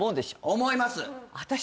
思います